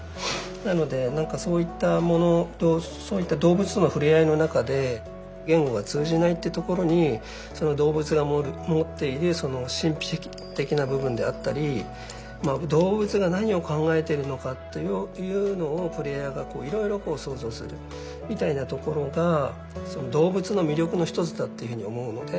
なので何かそういったものとそういった動物との触れ合いの中で言語が通じないってところにその動物が持っているその神秘的な部分であったりまあ動物が何を考えてるのかというのをプレイヤーがいろいろこう想像するみたいなところがその動物の魅力の一つだっていうふうに思うので。